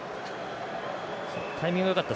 タイミングが悪かった。